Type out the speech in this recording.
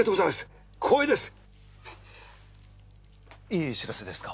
いい知らせですか？